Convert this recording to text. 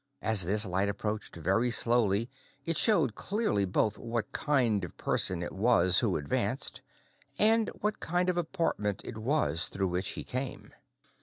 As this light approached very slowly it showed clearly both what kind of person it was who advanced and what kind of apartment it was through which he came.